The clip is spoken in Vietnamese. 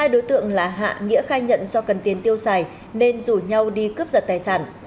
hai đối tượng là hạ nghĩa khai nhận do cần tiền tiêu xài nên rủ nhau đi cướp giật tài sản